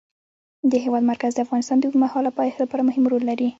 د هېواد مرکز د افغانستان د اوږدمهاله پایښت لپاره مهم رول لري.